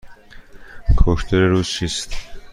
کوکتل روز چیست؟